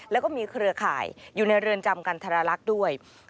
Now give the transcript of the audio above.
แล้วก็มีเครือข่ายอยู่ในเรือนจำกันทรลักษณ์ด้วย